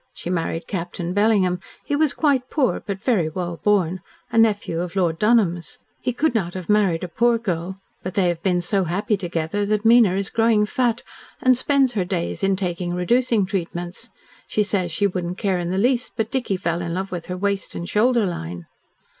She married Captain Bellingham. He was quite poor, but very well born a nephew of Lord Dunholm's. He could not have married a poor girl but they have been so happy together that Mina is growing fat, and spends her days in taking reducing treatments. She says she wouldn't care in the least, but Dicky fell in love with her waist and shoulder line."